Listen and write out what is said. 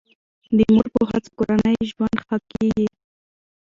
د مور په هڅو کورنی ژوند ښه کیږي.